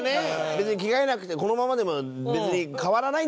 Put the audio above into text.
「別に着替えなくてこのままでも別に変わらないんですよ」。